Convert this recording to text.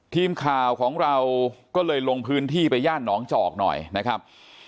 ทีมข่าวของเราก็เลยลงพื้นที่ไปย่านหนองจอกหน่อยนะครับ